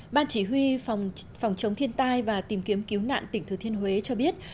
ban chỉ huy phòng chống thiên tai và tìm kiếm cứu nạn tỉnh thừa thiên huế cho biết